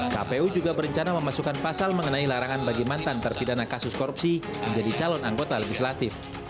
kpu juga berencana memasukkan pasal mengenai larangan bagi mantan terpidana kasus korupsi menjadi calon anggota legislatif